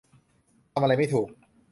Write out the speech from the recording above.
ทำอะไรไม่ถูก